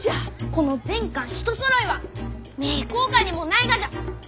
この全巻一そろいは名教館にもないがじゃ！